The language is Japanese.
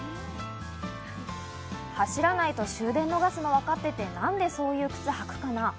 走らないと終電逃すの分かってて何でそういう靴履くかな？